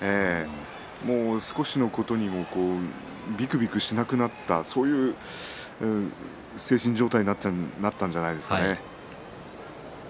少しのことにびくびくしなくなったそういう精神状態になったんじゃないですかね。